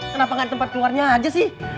kenapa gak ada tempat keluarnya aja sih